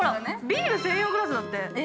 ビール専用グラスだって。